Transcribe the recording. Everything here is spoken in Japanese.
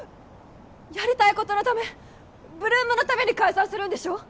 やりたいことのため８ＬＯＯＭのために解散するんでしょ？